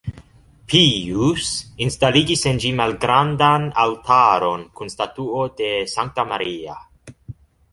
Pijus instaligis en ĝi malgrandan altaron kun statuo de Sankta Maria.